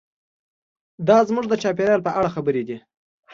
دا زموږ د چاپیریال په اړه خبرې دي.